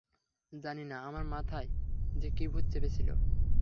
জানি না, আমার মাথায় যে কী ভূত চেপেছিল।